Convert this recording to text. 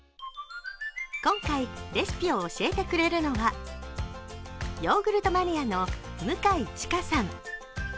今回レシピを教えてくれるのはヨーグルトマニアの向井智香さん。